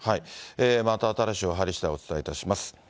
また新しい情報入りしだいお伝えします。